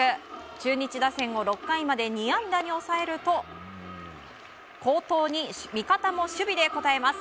中日打線を６回まで２安打に抑えると好投に味方も守備で応えます。